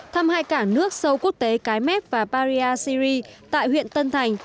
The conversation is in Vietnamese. thăm hai cảng nước sâu quốc tế cái mép và bà rịa syri tại huyện tân thành